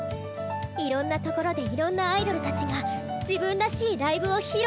いろんなところでいろんなアイドルたちが自分らしいライブを披露する。